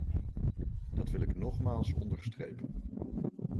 Dat wil ik nogmaals onderstrepen.